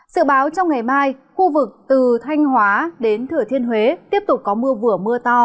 sự báo trong ngày mai khu vực từ thanh hóa đến thừa thiên huế tiếp tục có mưa vừa mưa to